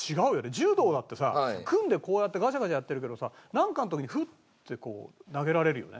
柔道だってさ組んでこうやってガシャガシャやってるけどさなんかの時にフッてこう投げられるよね。